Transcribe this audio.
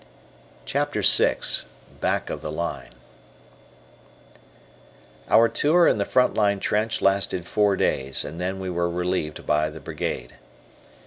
CHAPTER VI "BACK OF THE LINE" Our tour in the front line trench lasted four days, and then we were relieved by the Brigade.